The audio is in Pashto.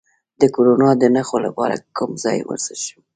د کرونا د نښو لپاره کوم چای وڅښم؟